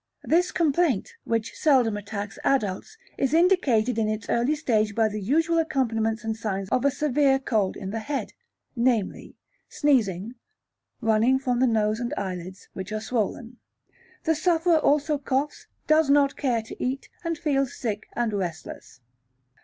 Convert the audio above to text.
This complaint, which seldom attacks adults, is indicated in its early stage by the usual accompaniments and signs of a severe cold in the head namely, sneezing, running from the nose and eyelids, which are swollen. The sufferer also coughs, does not care to eat, and feels sick and restless.